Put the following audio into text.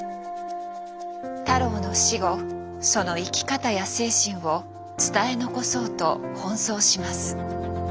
太郎の死後その生き方や精神を伝え残そうと奔走します。